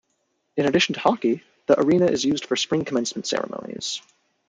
In addition to hockey, the arena is used for Spring Commencement ceremonies.